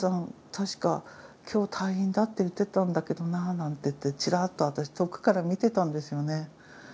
確か今日退院だって言ってたんだけどななんてちらっと私遠くから見てたんですよね。